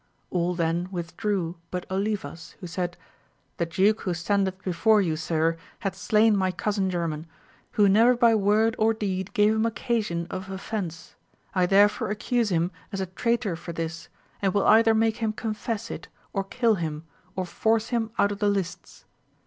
All then withdrew, but Olivas, who said. The duke who standeth before you, sir, hath slain my cousin german, who never by word or deed gave him occasion of offence : I therefore accuse him as a traitor for this, and will either make him confess it, or kill him, or force him out of the lists.